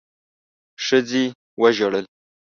ښځې وژړل.